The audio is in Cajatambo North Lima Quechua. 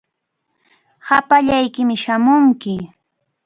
Hapallaykimi shamunki.